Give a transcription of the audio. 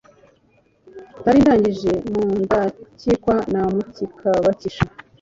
nalindagije Mudakikwa na Mukikababisha